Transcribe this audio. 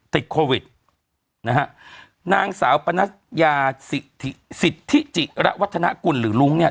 ติดโควิดนะฮะนางสาวปนัสยาสิทธิจิระวัฒนากุลหรือลุงเนี่ย